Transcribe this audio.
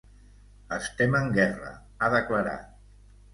Estem en guerra, ha declarat.